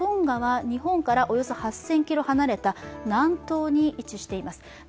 日本からおよそ８０００ｋｍ離れた南東に位置しています。